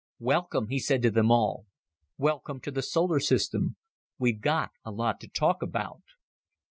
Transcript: "Welcome," he said to them all. "Welcome to the solar system. We've got a lot to talk about."